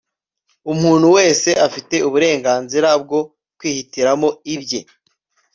umuntu wese afite uburenganzira bwo kwihitiramo ibye